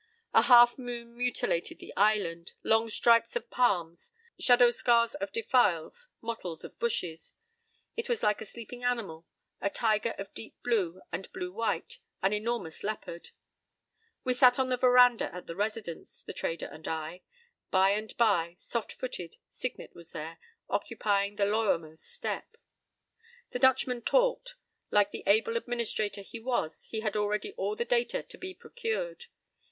A half moon mutilated the island—long stripes of palms, shadow scars of defiles, mottles of bushes. It was like a sleeping animal, atiger of deep blue and blue white, an enormous leopard. We sat on the veranda at the Residence, the trader and I. By and by, soft footed, Signet was there, occupying the lowermost step. The Dutchman talked. Like the able administrator he was, he had already all the data to be procured.